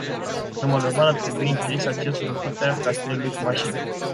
În mod normal, ar trebui interzis accesul în curtea castelului cu mașini.